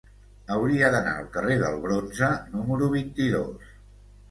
Hauria d'anar al carrer del Bronze número vint-i-dos.